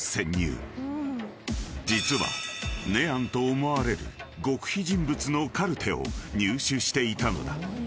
［実はネアンと思われる極秘人物のカルテを入手していたのだ］